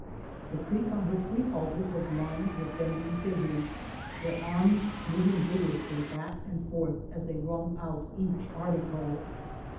The creek on which we halted was lined with bending figures, their arms moving vigorously back and forth as they wrung out each article.